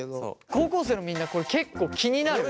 高校生のみんなこれ結構気になる？